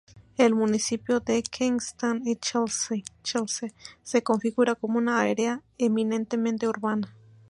El municipio de Kensington y Chelsea se configura como un área eminentemente urbana.